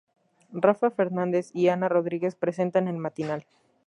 Rafa Fernández y Ana Rodríguez presentan el matinal.